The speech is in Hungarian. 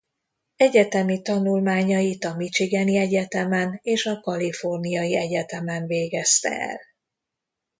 Egyetemi tanulmányait a Michigani Egyetemen és a Kaliforniai Egyetemen végezte el.